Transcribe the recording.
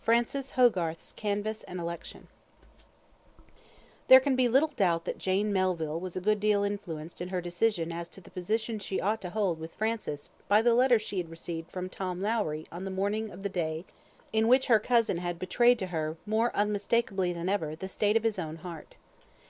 Francis Hogarth's Canvass And Election There can be little doubt that Jane Melville was a good deal influenced in her decision as to the position she ought to hold with Francis by the letter she had received from Tom Lowrie on the morning of the day in which her cousin had betrayed to her more unmistakably than ever the state of his own heart.